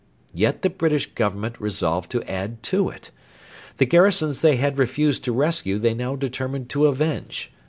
Yet the British Government resolved to add to it. The garrisons they had refused to rescue they now determined to avenge.